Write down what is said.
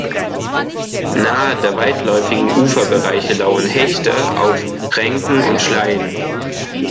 Nahe der weitläufigen Uferbereiche lauern Hechte auf Renken und Schleien.